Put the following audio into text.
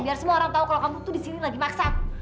biar semua orang tahu kalau kamu tuh disini lagi maksab